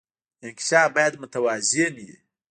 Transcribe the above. انکشاف باید متوازن وي